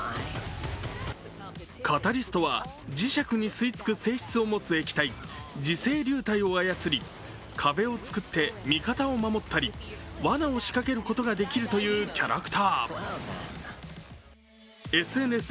カタリストは、磁石に吸いつく性質を持つ液体磁性流体を操り、壁を作って見方を守ったりわなを仕掛けることができるというキャラクター。